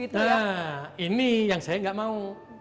nah ini yang saya nggak mau